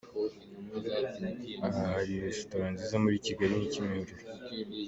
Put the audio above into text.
Aha hari resitora nziza muri kigali ni Kimihurura.